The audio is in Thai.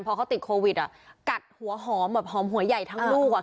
พอเขาติดโควิดกัดหัวหอมแบบหอมหัวใหญ่ทั้งลูกอ่ะ